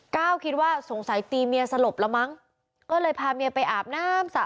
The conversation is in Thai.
ก้าวคิดว่าสงสัยตีเมียสลบแล้วมั้งก็เลยพาเมียไปอาบน้ำสระ